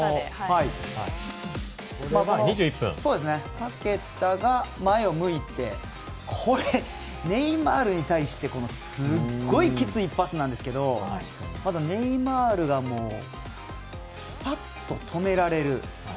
パケタが前を向いてこれ、ネイマールに対してすっごいきついパスなんですけどネイマールがすぱっと止められる。